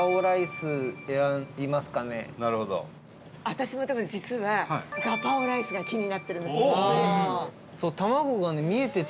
私も多分、実はガパオライスが気になってるの。